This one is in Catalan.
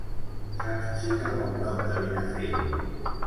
Saps si cau a prop de Benafer?